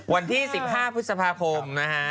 วันที่๑๕พฤษภาคม